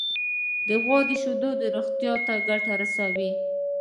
د غوا شیدې روغتیا ته ګټه رسوي.